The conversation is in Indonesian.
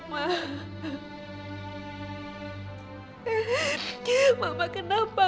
mama kenapa gak ada siapa